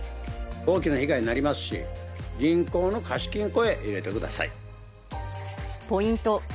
大きな被害になりますし、銀行の貸金庫へ入れてください。